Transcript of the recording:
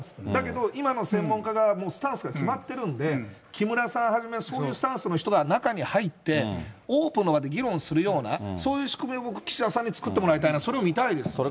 だけど今の専門家のもうスタンスが決まってるんで、木村さんはじめ、そういうスタンスの人が中に入って、オープンの場で議論するような、そういう仕組みを僕、岸田さんに作ってもらいたい、それを見たいです。